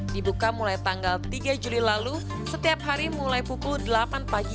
dibuka mulai tanggal tiga juli lalu setiap hari mulai pukul delapan pagi